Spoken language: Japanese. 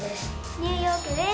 ニューヨークです。